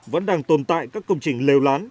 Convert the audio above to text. vẫn đang tồn tại các công trình lều lán